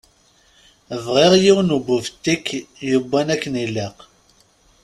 Bɣiɣ yiwen ubiftik yewwan akken ilaq.